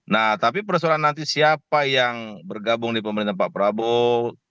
nah tapi persoalan nanti siapa yang bergabung di pemerintahan pak prabowo